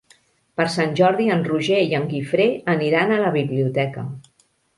Per Sant Jordi en Roger i en Guifré aniran a la biblioteca.